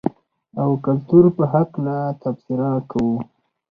او کلتور په حقله تبصره کوو.